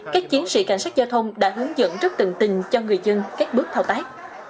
các chiến sĩ cảnh sát giao thông đã hướng dẫn rất tận tình cho người dân các bước thao tác